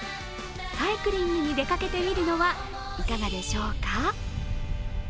サイクリングに出かけてみるのはいかがでしょうか。